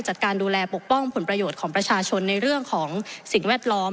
จัดการดูแลปกป้องผลประโยชน์ของประชาชนในเรื่องของสิ่งแวดล้อม